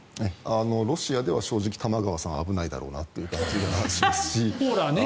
ロシアでは正直玉川さんは危ないだろうなという感じがありますし。